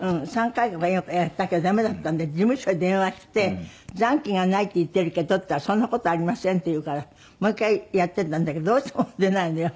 ３回とか４回やったけどダメだったんで事務所に電話して「残金がないっていってるけど」って言ったら「そんな事ありません」って言うからもう１回やってみたんだけどどうしても出ないのよ。